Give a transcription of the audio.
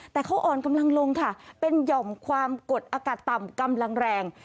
แต่เขาอ่อนกำลังลงค่ะเป็นหย่อมความกดอากาศต่ำกำลังแรง